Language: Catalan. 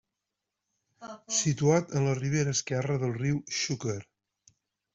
Situat en la ribera esquerra del riu Xúquer.